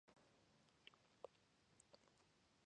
This was Indianapolis’ third straight win at Nissan Stadium.